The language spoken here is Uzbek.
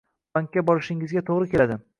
bankka borishingizga toʻgʻri keladi.